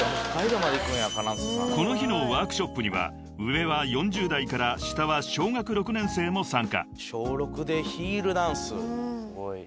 ［この日のワークショップには上は４０代から下は小学６年生も参加］ねえ。